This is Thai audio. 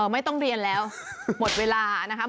ไม่ต้องเรียนแล้วหมดเวลานะครับ